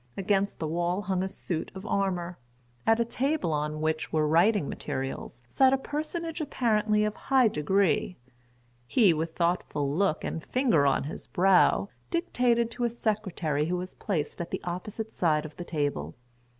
Against the wall hung a suit of armor. At a table on which were writing materials, sat a personage apparently of high degree; he with thoughtful look and finger on his brow, dictated to a secretary who was placed at the opposite side of the table.